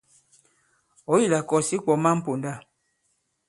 Ɔ̀̌ yi la kɔ̀s ǐ kwɔ̀ man ponda.